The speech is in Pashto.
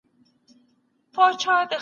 رښتیني اوسئ که څه هم تاوان وي.